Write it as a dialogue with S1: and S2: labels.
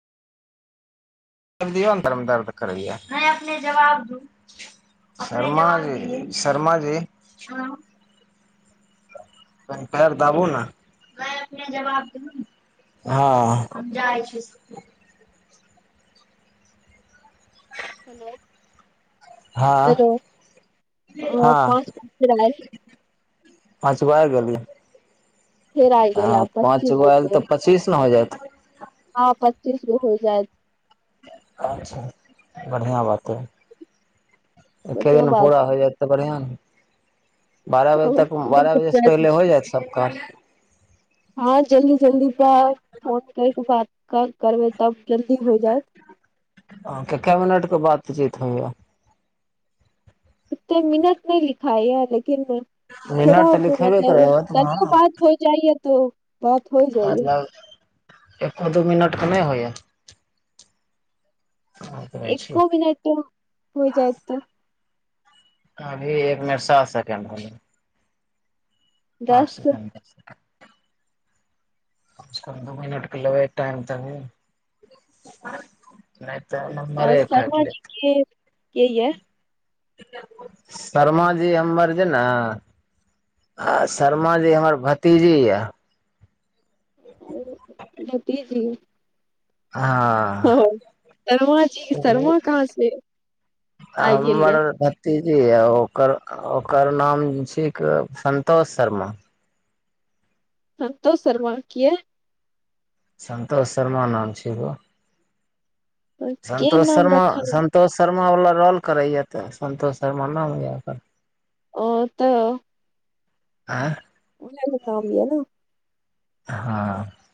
S1: िय ने तरमे दर्द करैय ज शर् जी शर्मा जीरबू ने हँ
S2: हेलो
S1: हँ
S2: हेलो अ,
S1: हँ
S2: पाँच गो फेर आयल
S1: अछ बाहर गेलल ह
S2: फेर आ गेल आ
S1: ह पाँच
S2: पच्चीस
S1: गो
S2: हो
S1: आयल तऽ
S2: गेल
S1: पच्चीस न हो जात
S2: हँ पच्चीसगो हो जायत
S1: अच्छा बढ़िआँ बात हइ एके
S2: बढ़िआँ
S1: दिन
S2: बात
S1: पूरा हो जायत ते बढ़िआं ने बारह
S2: हँ
S1: बजे तक बारह बजे से पहिले हो जायत सब काास
S2: हँ जल्दी जल्दी प फोन क क करबै तब जल्दी हो जायत
S1: के मिनटके बाद चित होा
S2: इतने महनत नहि लिखाइ य लेकिन
S1: मिनट
S2: थोड़ा
S1: तऽ लिखेबे करे
S2: मतलब
S1: होत
S2: तनििय
S1: वहाँ
S2: बात हो जाइए ऊ बात होइ जाइए
S1: एो दू मिनट ख होइए
S2: एको मिनट हो जाय तऽ
S1: अभी एक मिनट सात सेकंड आठ
S2: दस
S1: सख कम द मिनटके लेबै टाइम त
S2: आ शर्मा जी के यी य
S1: शर्मा जी हमर जे ने शर्मा जी हमर भतीजी यऽ
S2: जतीज्र हँ सरमा जी
S1: ओ
S2: शर्मा कहाँसँ आ गेल यऽ
S1: जी ओकर ओकर नाम छ संतोष शर्मा
S2: सतोष शर्मा किय
S1: संतोष शर्मा नाम छ गो
S2: के
S1: सतोष
S2: नाम
S1: शर्मा
S2: रखल
S1: सतोष शर्मा श वला रोल करैया तऽ संन्तोष शर्मा न हो य ओकर
S2: ओ तऽ
S1: आँ
S2: काम भ ह ने
S1: हँ